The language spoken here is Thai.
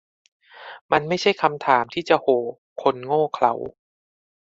มันไม่ใช่คำถามที่จะ 'โห่' คนโง่เขลา